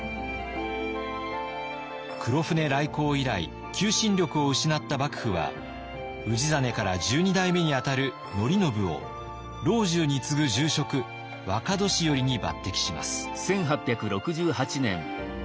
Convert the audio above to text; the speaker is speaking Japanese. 黒船来航以来求心力を失った幕府は氏真から十二代目に当たる範叙を老中に継ぐ重職若年寄に抜てきします。